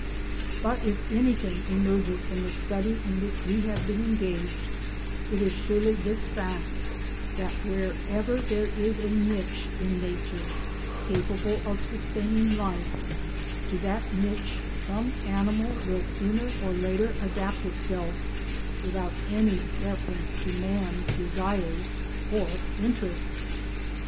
But if anything emerges from the study in which we have been engaged, it is surely this fact: that wherever there is a niche in nature capable of sustaining life, to that niche some animal will sooner or later adapt itself without any reference to man's desires or interests.